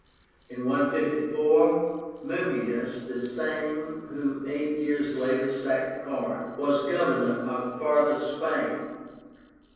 In 154, MUMMIUS, the same who eight years later sacked Corinth, was Governor of Farther Spain.